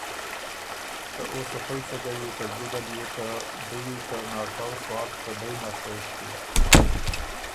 که او سو خوئ څۀ کوی که ګُده ليې ته دُوی ته ناکؤ سوال پردئ نر پېش ݭیوک۔